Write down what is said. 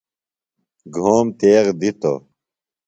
گھوم تیغ دِتوۡ۔